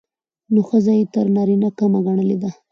نو ښځه يې تر نارينه کمه ګڼلې ده.